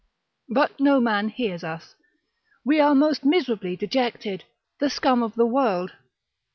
But no man hears us, we are most miserably dejected, the scum of the world.